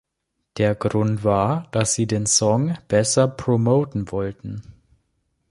Der Grund war, dass sie den Song besser promoten wollten.